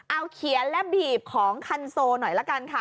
เอาเขียนและบีบของคันโซหน่อยละกันค่ะ